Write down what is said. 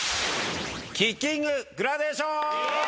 キッキンググラデーション！